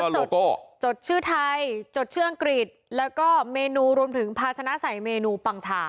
จดชื่อไทยจดชื่ออังกฤษแล้วก็เมนูรวมถึงภาชนะใส่เมนูปังชา